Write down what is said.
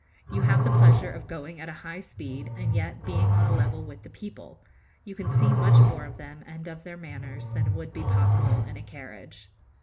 You have the pleasure of going at a high speed, and yet, being on a level with the people, you can see much more of them and of their manners than would be possible in a carriage.